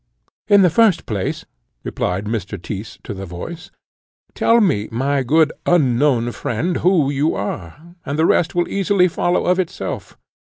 "In the first place," replied Mr. Tyss to the voice, "tell me, my good unknown friend, who you are; the rest will easily follow of itself.